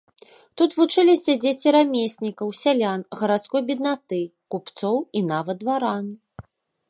Тут вучыліся дзеці рамеснікаў, сялян, гарадской беднаты, купцоў і нават дваран.